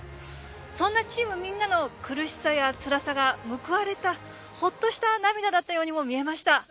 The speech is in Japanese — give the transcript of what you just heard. そんなチームみんなの苦しさやつらさが報われた、ほっとした涙だったようにも見えました。